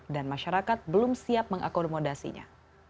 dan masyarakat belum siap mengakomodasinya